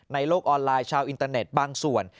โลกออนไลน์ชาวอินเตอร์เน็ตบางส่วน